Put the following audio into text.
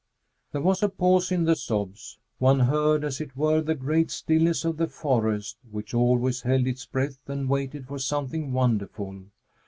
There was a pause in the sobs. One heard, as it were, the great stillness of the forest, which always held its breath and waited for something wonderful.